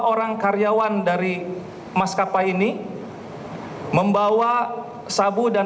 tersangka dari medan kuala namu masuk tanpa melalui jarur pemeriksaan barang